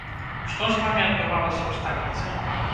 Што з вамі адбывалася ў сталіцы?